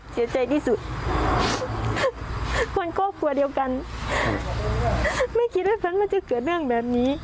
เสียใจที่สุดคนครอบครัวเดียวกันไม่คิดว่าฉันมันจะเกิดเรื่องแบบนี้